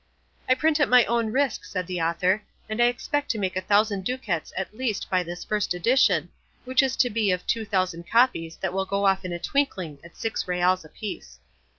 "I print at my own risk," said the author, "and I expect to make a thousand ducats at least by this first edition, which is to be of two thousand copies that will go off in a twinkling at six reals apiece."